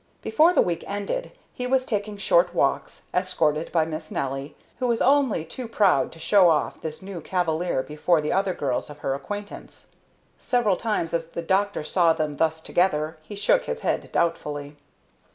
Before the week ended he was taking short walks, escorted by Miss Nelly, who was only too proud to show off this new cavalier before the other girls of her acquaintance. Several times as the doctor saw them thus together he shook his head doubtfully.